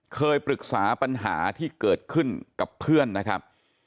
เคยปรึกษาปัญหาที่เกิดขึ้นกับเพื่อนนะครับ